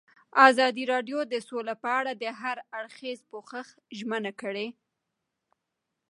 ازادي راډیو د سوله په اړه د هر اړخیز پوښښ ژمنه کړې.